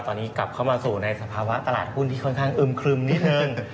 ตอนนี้กลับเข้ามาสู่ในสภาวะตลาดหุ้นที่ค่อนข้างอึมครึมนิดนึง